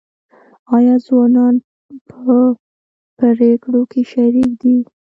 آیا ځوانان په پریکړو کې شریک دي؟